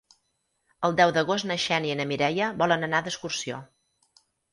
El deu d'agost na Xènia i na Mireia volen anar d'excursió.